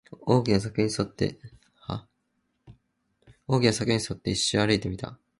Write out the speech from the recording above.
大きな柵に沿って、一周歩いてみた